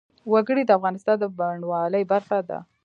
وګړي د افغانستان د بڼوالۍ برخه ده.